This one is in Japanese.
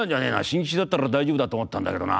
新吉だったら大丈夫だと思ったんだけどな。